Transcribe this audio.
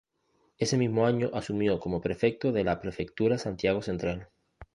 Ese mismo año asumió como prefecto de la Prefectura Santiago Central.